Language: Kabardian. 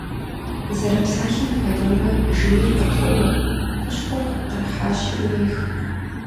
Зэрыпсалъэм хуэдэурэ, жейр къытоуэ, хущхъуэр къыпкърыхьащи Ӏурех.